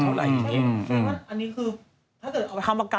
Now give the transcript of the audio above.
ปลูกไว้ก่อน